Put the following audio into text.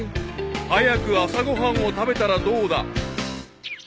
［早く朝ご飯を食べたらどうだ］